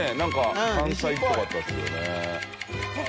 佑Р燭関西っぽかったですよね